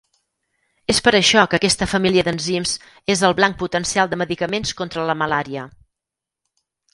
És per això que aquesta família d'enzims és el blanc potencial de medicaments contra la malària.